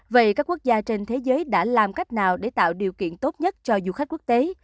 vậy các quốc gia trên thế giới đã làm cách nào để tạo điều kiện tốt nhất cho du khách quốc tế